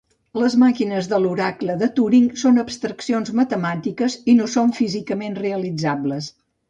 Les màquines de l'oracle de Turing són abstraccions matemàtiques i no són físicament realitzables.